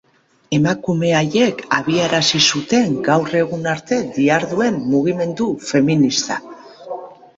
Emakume haiek abiarazi zuten gaur egun arte diharduen mugimendu feminista.